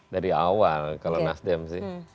dari awal kalau nasdem sih